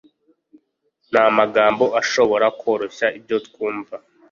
nta magambo ashobora koroshya ibyo twumva